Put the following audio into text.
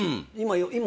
今。